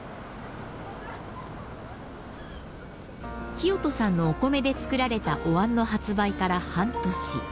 聖人さんのお米で作られたおわんの発売から半年。